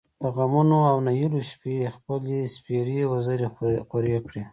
د غمـونـو او نهـيليو شـپې خپـلې سپـېرې وزرې خـورې کـړې.